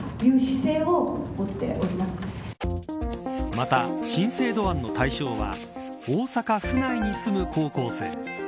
また、新制度案の対象は大阪府内に住む高校生。